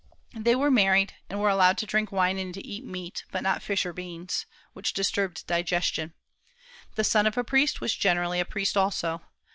They were married, and were allowed to drink wine and to eat meat, but not fish nor beans, which disturbed digestion. The son of a priest was generally a priest also.